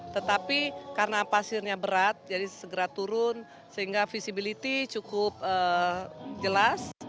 tetapi karena pasirnya berat jadi segera turun sehingga visibility cukup jelas